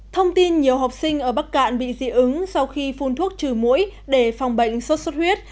thông tin nhiều học sinh ở bắc cạn bị dị ứng sau khi phun thuốc trừ mũi để phòng bệnh sốt xuất huyết